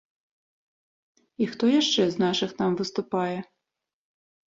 І хто яшчэ з нашых там выступае?